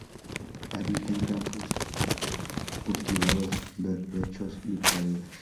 Habita en campos cultivados, barbechos y praderas.